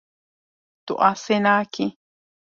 Tu asê nakî.